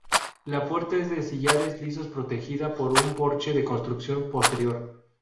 La puerta es de sillares lisos protegida por un porche de construcción posterior.